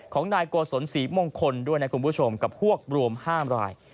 ของนายกวสนศรีมงคลด้วยนะคุณผู้ชมกับพวกรวมห้ามราย